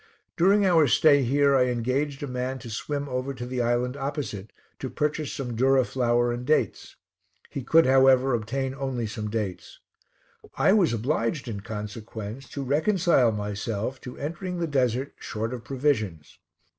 During our stay here I engaged a man to swim over to the island opposite, to purchase some durra flour and dates. He could, however, obtain only some dates. I was obliged, in consequence, to reconcile myself to entering the desert short of provisions.